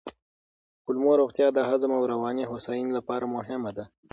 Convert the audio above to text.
د کولمو روغتیا د هضم او رواني هوساینې لپاره مهمه ده.